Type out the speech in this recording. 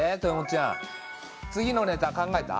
ちゃん次のネタ考えた？